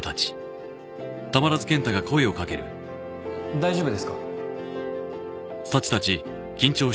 大丈夫ですか？